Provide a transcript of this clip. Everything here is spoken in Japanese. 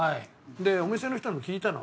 でお店の人に聞いたの。